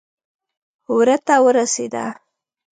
وره ته ورسېده.